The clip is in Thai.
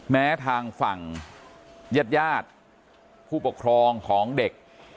แม้ทางฝั่งญาติญาติผู้ปกครองของเด็ก